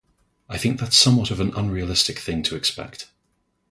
I think that's somewhat of an unrealistic thing to expect.